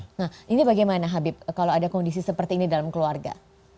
nah ini bagaimana habib kalau ada kondisi seperti ini dalam keluarga